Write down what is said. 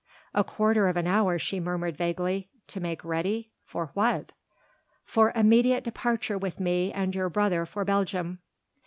"A quarter of an hour," she murmured vaguely, "to make ready?... for what?" "For immediate departure with me and your brother for Belgium."